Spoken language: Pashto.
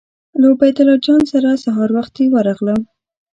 له عبیدالله جان سره سهار وختي ورغلم.